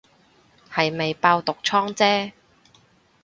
係未爆毒瘡姐